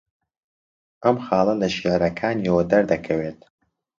ئەم خاڵە لە شێعرەکانییەوە دەردەکەوێت